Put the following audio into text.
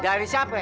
dari siapa be